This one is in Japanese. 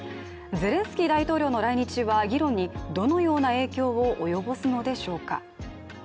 ゼレンスキー大統領の来日は議論にどのような影響を及ぼすのでしょうか。